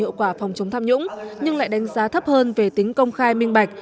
hiệu quả phòng chống tham nhũng nhưng lại đánh giá thấp hơn về tính công khai minh bạch